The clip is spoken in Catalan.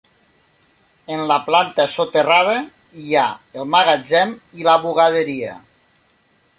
En la planta soterrada hi ha el magatzem i la bugaderia.